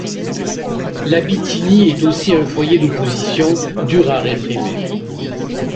La Bithynie est aussi un foyer d'opposition dure à réprimer.